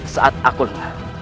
saat aku dengar